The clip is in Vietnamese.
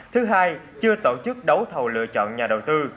thứ hai chưa tổ chức đấu thầu lựa chọn nhà đầu tư